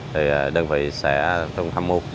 thì đơn vị sẽ thông thăm mưu